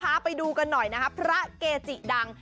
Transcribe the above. พาไปดูกันหน่อยนะครับพระเกจิดัง